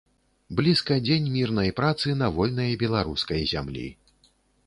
Блізка дзень мірнай працы на вольнай беларускай зямлі.